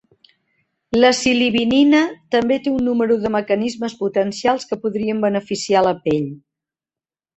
La silibinina també té un número de mecanismes potencials que podrien beneficiar la pell.